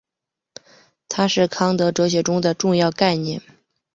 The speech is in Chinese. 它是康德哲学中的重要概念。